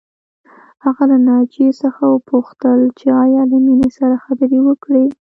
هغه له ناجیې څخه وپوښتل چې ایا له مينې سره خبرې وکړې